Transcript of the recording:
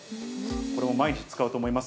これも毎日使うと思います。